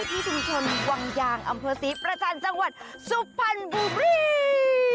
ที่ชุมชนวังยางอำเภอศรีประจันทร์จังหวัดสุพรรณบุรี